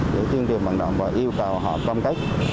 để tiên triệp bản đồng và yêu cầu họ công cách